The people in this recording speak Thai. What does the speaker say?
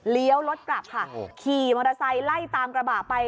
รถกลับค่ะขี่มอเตอร์ไซค์ไล่ตามกระบะไป